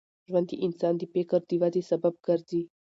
ژوند د انسان د فکر د ودې سبب ګرځي.